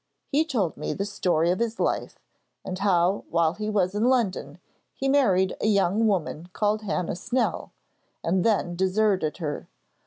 He told me the story of his life, and how, while he was in London, he married a young woman called Hannah Snell, and then deserted her.